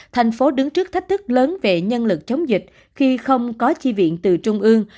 thành phố đứng trước thách thức lớn về nhân lực chống dịch khi không có chi viện từ trung ương